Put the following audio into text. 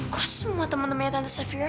kok semua temen temennya tante safira